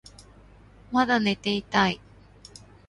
まだ寝ていたい